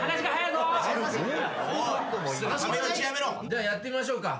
ではやってみましょうか。